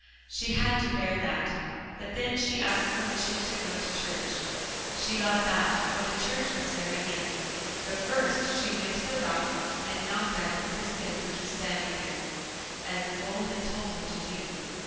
She had to bear that, but then she asked permission to go to church. She got that, for the church was very near. But first she went to the rock and knocked at it with the stick which was standing there, as the Bull had told her to do.